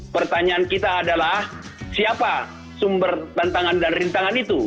pertanyaan kita adalah siapa sumber tantangan dan rintangan itu